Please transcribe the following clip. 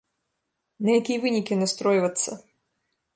На якія вынікі настройвацца?